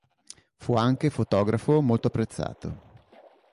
Fu anche fotografo molto apprezzato.